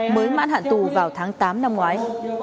mới mãn hạn tù vào tháng tám năm ngoái